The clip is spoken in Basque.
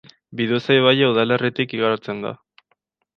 Biduze ibaia udalerritik igarotzen da.